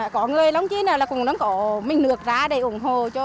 có người lống chí nào là cũng có mình lược ra để ủng hộ cho